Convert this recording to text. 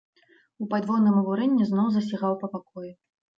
У падвойным абурэнні зноў засігаў па пакоі.